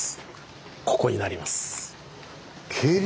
ここになります。